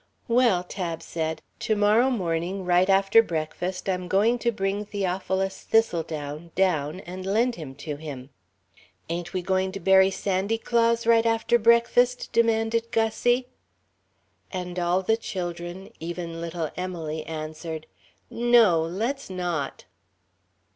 "Well," Tab said, "to morrow morning, right after breakfast, I'm going to bring Theophilus Thistledown down and lend him to him." "Ain't we going to bury Sandy Claus right after breakfast?" demanded Gussie. And all the children, even little Emily, answered: "No, let's not."